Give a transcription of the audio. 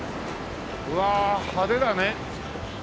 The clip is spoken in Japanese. うわ派手だね。